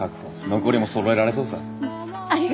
残りもそろえられそうさ。